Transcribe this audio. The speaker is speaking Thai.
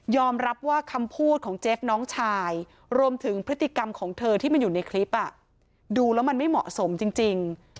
รับว่าคำพูดของเจฟน้องชายรวมถึงพฤติกรรมของเธอที่มันอยู่ในคลิปดูแล้วมันไม่เหมาะสมจริง